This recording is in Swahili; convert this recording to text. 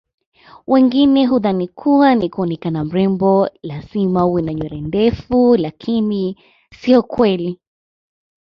wengine hudhani kuwa ili kuonekana mrembo lazima uwe na nywele ndefu lakini sio kweli